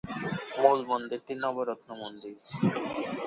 মূল মন্দিরটি নবরত্ন মন্দির।